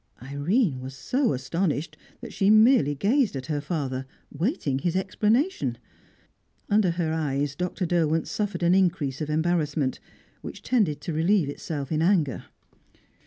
Irene was so astonished that she merely gazed at her father, waiting his explanation. Under her eyes Dr. Derwent suffered an increase of embarrassment, which tended to relieve itself in anger.